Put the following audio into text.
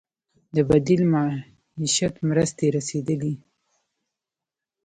د بدیل معیشت مرستې رسیدلي؟